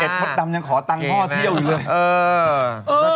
มดดำยังขอตังค์พ่อเที่ยวอยู่เลย